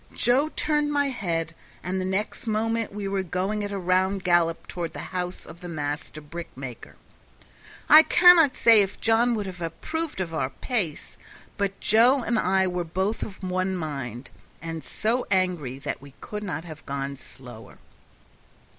Joe turned my head, and the next moment we were going at a round gallop toward the house of the master brick maker. I cannot say if John would have approved of our pace, but Joe and I were both of one mind, and so angry that we could not have gone slower.